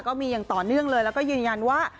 ก็มีอย่างต่อเนื่องเลยแล้วก็ยืนยันว่า